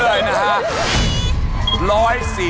๑๔๐วินาที